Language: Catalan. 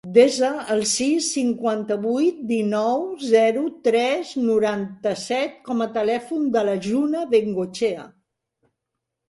Desa el sis, cinquanta-vuit, dinou, zero, tres, noranta-set com a telèfon de la Juna Bengoechea.